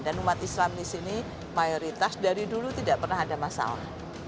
dan umat islam di sini mayoritas dari dulu tidak pernah ada masalah